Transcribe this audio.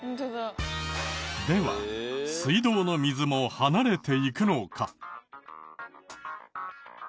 では水道の水も離れていくのか？